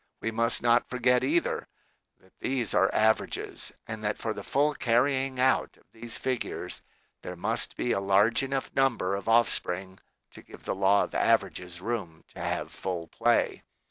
We must not forget, either, that these are averages, and that for the full carrying out of these figures there must be a large enough number of offspring to give the law of averages room to have full play.